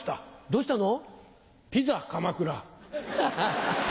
どうしたの？